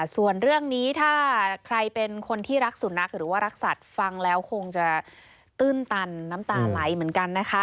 ส่วนเรื่องนี้ถ้าใครเป็นคนที่รักสุนัขหรือว่ารักสัตว์ฟังแล้วคงจะตื้นตันน้ำตาไหลเหมือนกันนะคะ